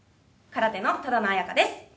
空手の多田野彩香です。